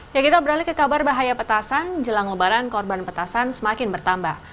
ya kita beralih ke kabar bahaya petasan jelang lebaran korban petasan semakin bertambah